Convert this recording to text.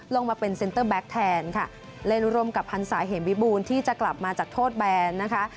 ลงมาเป็นเซ็นเตอร์แบ็คแทนค่ะเล่นร่วมกับพันศาเหมวิบูรณ์ที่จะกลับมาจากโทษแบนนะคะ